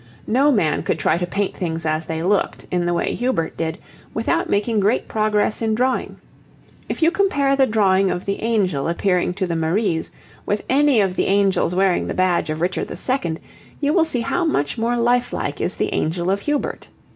No man could try to paint things as they looked, in the way Hubert did, without making great progress in drawing. If you compare the drawing of the angel appearing to the Maries with any of the angels wearing the badge of Richard II., you will see how much more life like is the angel of Hubert.